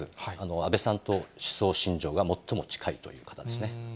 安倍さんと思想信条が最も近いという方ですね。